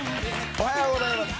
おはようございます。